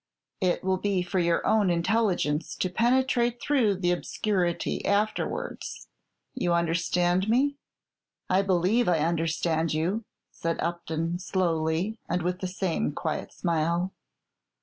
It will be for your own intelligence to penetrate through the obscurity afterwards. You understand me?" "I believe I understand you," said Upton, slowly, and with the same quiet smile.